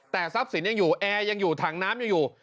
แต่ทรัพย์สินยังอยู่แอร์ยังอยู่ถังน้ำยังอยู่